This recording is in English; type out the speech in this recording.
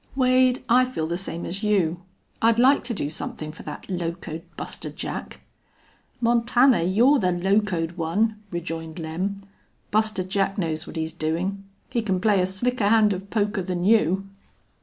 Wade, I feel the same as you. I'd like to do somethin' fer thet locoed Buster Jack." "Montana, you're the locoed one," rejoined Lem. "Buster Jack knows what he's doin'. He can play a slicker hand of poker than you."